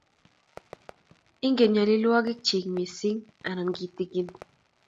Ingen nyalillwogik chik missing' anan kitikin ?